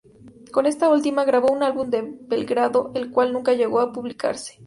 Con esta última, grabó un álbum en Belgrado el cual nunca llegó a publicarse.